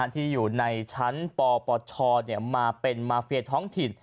ที่อยู่ในชั้นปปชมาเป็นมาเฟียท้องถิ่น